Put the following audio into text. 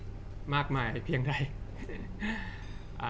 จากความไม่เข้าจันทร์ของผู้ใหญ่ของพ่อกับแม่